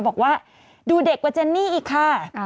บอกว่าดูเด็กกว่าเจนนี่อีกค่ะ